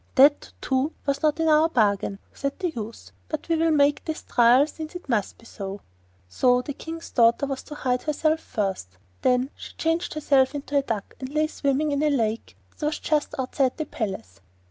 'That, too, was not in our bargain,' said the youth. 'But we will make this trial since it must be so.' So the King's daughter was to hide herself first. Then she changed herself into a duck, and lay swimming in a lake that was just outside the palace.